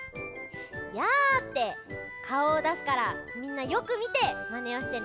「やあ」ってかおをだすからみんなよくみてマネをしてね。